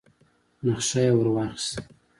نخشه يې ور واخيسه.